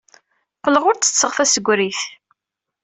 Qqleɣ ur ttetteɣ tasegrit.